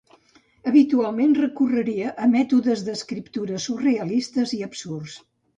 Habitualment recorria a mètodes d'escriptura surrealistes i absurds.